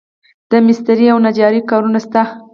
د مسترۍ او نجارۍ کارونه شته